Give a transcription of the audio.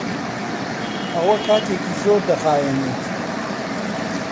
ئەوە کاتێکی زۆر دەخایەنێت.